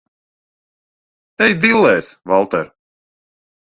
Ej dillēs, Valter!